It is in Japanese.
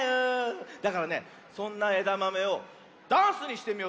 だからねそんなえだまめをダンスにしてみようとおもう。